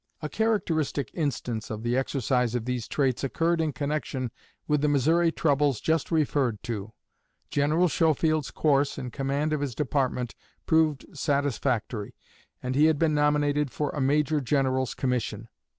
A characteristic instance of the exercise of these traits occurred in connection with the Missouri troubles just referred to. General Schofield's course in command of his department proved satisfactory, and he had been nominated for a Major General's commission.